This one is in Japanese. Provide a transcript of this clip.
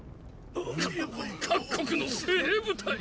かっ各国の精鋭部隊。